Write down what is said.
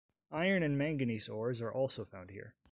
Iron and manganese ores are also found here.